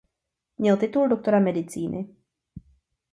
Měl titul doktora medicíny.